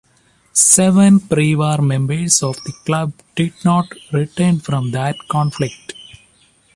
Seven pre-war members of the club did not return from that conflict.